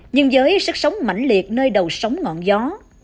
nhưng với sức sống mạnh liệt nơi đầu sóng ngọn gió